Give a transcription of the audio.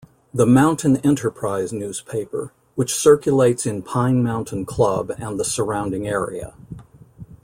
The "Mountain Enterprise" newspaper, which circulates in Pine Mountain Club and the surrounding area.